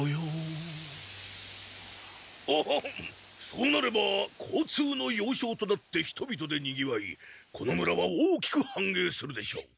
そうなれば交通のようしょうとなって人々でにぎわいこの村は大きくはんえいするでしょう。